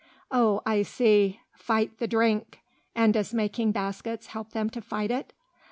"Oh, I see. Fight the drink. And does making baskets help them to fight it?"